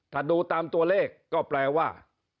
ถ้าดูตามตัวเลขก็แปลว่า